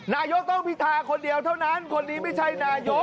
นายกต้องพิธาคนเดียวเท่านั้นคนนี้ไม่ใช่นายก